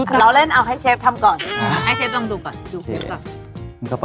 แล้วเล่นเอาให้เชฟทำก่อน